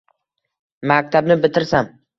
Maktabni bitirsam…